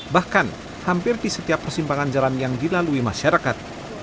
bahkan hampir di setiap persimpangan jalan yang dilalui masyarakat